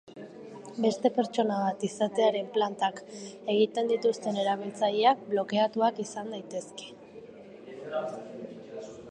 Beste pertsona bat izatearen plantak egiten dituzten erabiltzaileak blokeatuak izan daitezke.